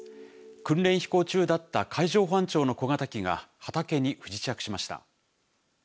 訓練飛行中だった海上保安庁の小型機が畑に不時着しました。